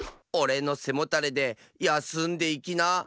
『おれのせもたれでやすんでいきな』」。